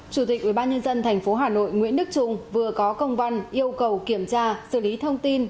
chủ tịch ubnd tp hà nội nguyễn đức trung vừa có công văn yêu cầu kiểm tra xử lý thông tin